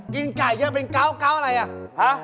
กินไก่เยอะเป็นเก้าอะไรอ่ะ